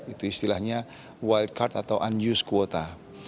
itu istilahnya wild card atau unused quota